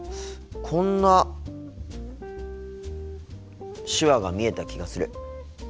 こんな手話が見えた気がする。